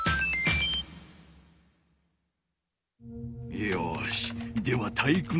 よしでは体育ノ